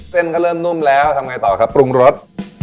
เส้นก็เริ่มนุ่มแล้วทำไงต่อครับปรุงรส